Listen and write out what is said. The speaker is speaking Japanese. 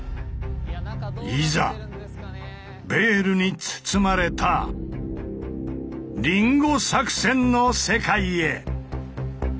いざベールに包まれたリンゴ作戦の世界へ！